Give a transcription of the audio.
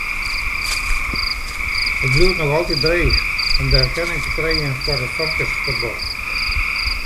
It bliuwt noch altyd dreech om erkenning te krijen foar it famkesfuotbal.